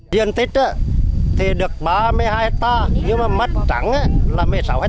diện tích thì được ba mươi hai hectare nhưng mà mất trắng là một mươi sáu hectare